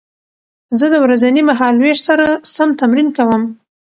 زه د ورځني مهالوېش سره سم تمرین کوم.